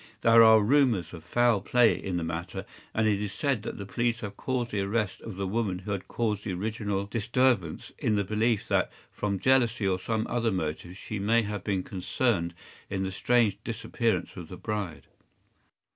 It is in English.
There are rumors of foul play in the matter, and it is said that the police have caused the arrest of the woman who had caused the original disturbance, in the belief that, from jealousy or some other motive, she may have been concerned in the strange disappearance of the bride.